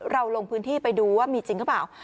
ลงพื้นที่ไปดูว่ามีจริงหรือเปล่า